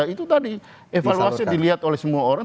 itu tadi evaluasi dilihat oleh semua orang